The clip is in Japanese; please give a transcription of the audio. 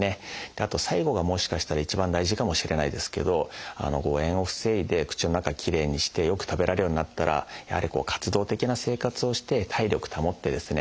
あと最後がもしかしたら一番大事かもしれないですけど誤えんを防いで口の中きれいにしてよく食べられるようになったらやはり活動的な生活をして体力保ってですね